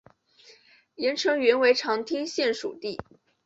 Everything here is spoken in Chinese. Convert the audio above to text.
连城原为长汀县属地。